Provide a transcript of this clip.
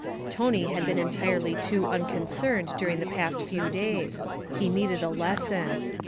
Tony had been entirely too unconcerned during the past few days; he needed a lesson.